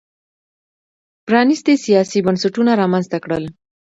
پرانیستي سیاسي بنسټونه رامنځته کړل.